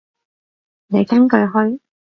你跟佢去？